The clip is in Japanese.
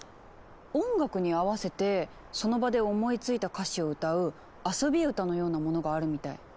音楽に合わせてその場で思いついた歌詞を歌う遊び歌のようなものがあるみたい。